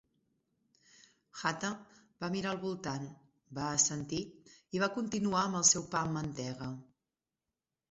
Hatta va mirar al voltant, va assentir i va continuar amb el seu pa amb mantega.